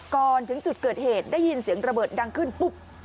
ก่อนถึงจุดเกิดเหตุได้ยินเสียงระเบิดดังขึ้นปุ๊บ